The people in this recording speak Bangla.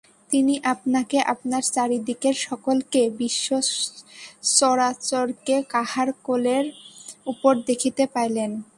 তিনি আপনাকে, আপনার চারি দিকের সকলকে, বিশ্বচরাচরকে কাহার কোলের উপর দেখিতে পাইলেন।